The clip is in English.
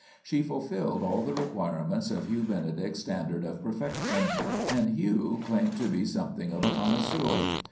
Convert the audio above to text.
She fulfilled all the requirements of Hugh Benedict's Standard of Perfection, and Hugh 256 LORNA OF THE BLACK EYE claimed to be something of a connoisseur.